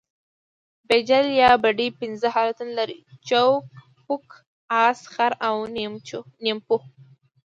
بیجل یا بډۍ پنځه حالتونه لري؛ چوک، پوک، اس، خر او نیمپو.